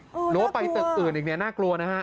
หรือว่าไปตึกอื่นอีกเนี่ยน่ากลัวนะฮะ